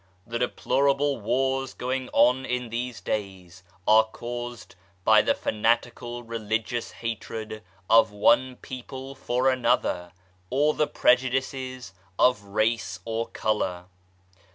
The deplorable wars going on in these days are caused by the fanatical religious hatred of one people for another, or the prejudices of race or colour.